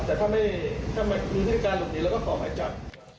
แต่ถ้าไม่ถ้าไม่รู้สิทธิการเหล่านี้เราก็ขอให้จับ